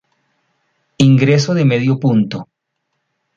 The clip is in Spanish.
Ingreso de medio punto.